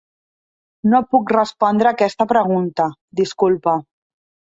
No et puc respondre aquesta pregunta, disculpa.